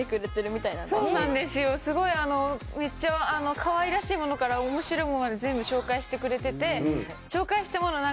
すごいめっちゃかわいらしいものから面白いものまで全部紹介してくれてて。